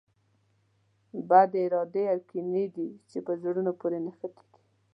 بدې ارادې او کینې دي چې په زړونو پورې نښتي دي.